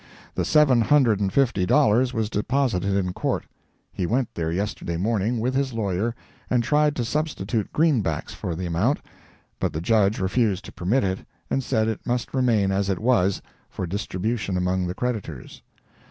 The seven hundred and fifty dollars was deposited in Court; he went there yesterday morning, with his lawyer, and tried to substitute green backs for the amount, but the Judge refused to permit it, and said it must remain as it was, for distribution among the creditors.